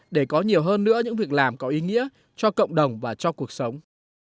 để có nhiều hơn nữa những việc làm có ý nghĩa cho cộng đồng và cho cuộc sống